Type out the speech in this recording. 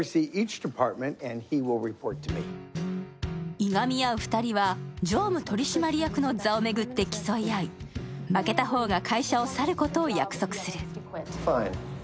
いがみ合う２人は、常務取締役の座を巡って競い合い負けた方が会社を去ることを約束する。